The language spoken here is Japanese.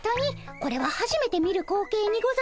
これははじめて見る光景にございます。